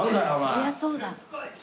そりゃあそうだ。